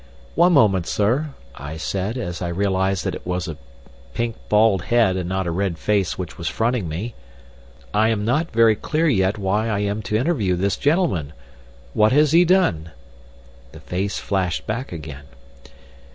"One moment, sir," I said, as I realized that it was a pink bald head, and not a red face, which was fronting me. "I am not very clear yet why I am to interview this gentleman. What has he done?" The face flashed back again.